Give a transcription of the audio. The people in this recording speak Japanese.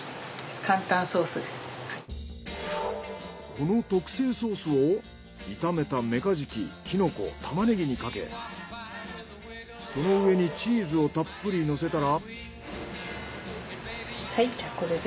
この特製ソースを炒めたメカジキキノコタマネギにかけその上にチーズをたっぷりのせたら。